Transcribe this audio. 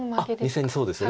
２線にそうですね。